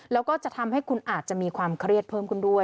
แล้วก็จะทำให้คุณอาจจะมีความเครียดเพิ่มขึ้นด้วย